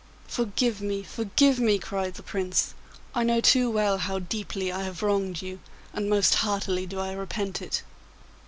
'Forgive me! forgive me!' cried the Prince; 'I know too well how deeply I have wronged you, and most heartily do I repent it.